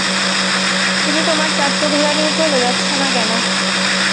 তুমি তোমার টাট্টু ঘোড়া নিয়ে চলে যাচ্ছ না কেন?